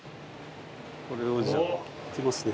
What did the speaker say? これをじゃあ行きますね。